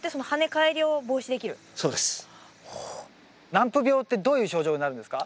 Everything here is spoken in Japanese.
軟腐病ってどういう症状になるんですか？